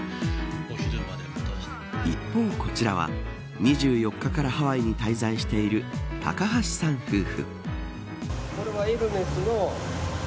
一方、こちらは２４日からハワイに滞在している高橋さん夫婦。